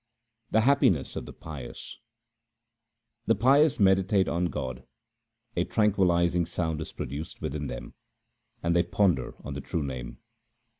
The happiness of the pious :— The pious meditate on God, a tranquillizing sound is produced within them, and they ponder on the true Name.